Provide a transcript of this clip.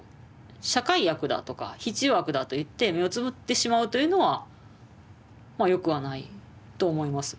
社会悪だとか必要悪だといって目をつむってしまうというのはまあよくはないと思います。